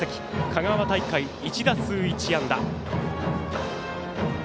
香川大会１打数１安打。